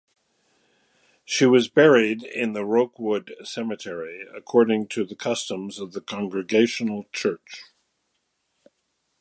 She was buried at Rookwood Cemetery according to the customs of the Congregational Church.